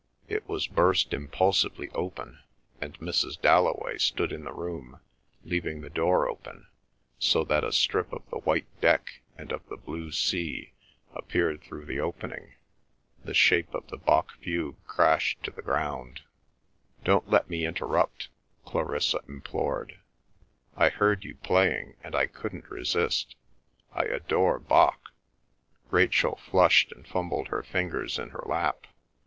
It was burst impulsively open, and Mrs. Dalloway stood in the room leaving the door open, so that a strip of the white deck and of the blue sea appeared through the opening. The shape of the Bach fugue crashed to the ground. "Don't let me interrupt," Clarissa implored. "I heard you playing, and I couldn't resist. I adore Bach!" Rachel flushed and fumbled her fingers in her lap.